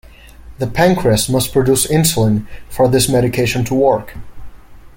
The pancreas must produce insulin for this medication to work.